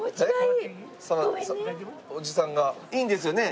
おじさんがいいんですよね？